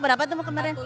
berapa tuh kemarin